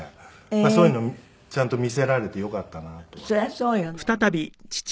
そういうのをちゃんと見せられてよかったなとは。